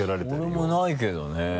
俺もないけどね。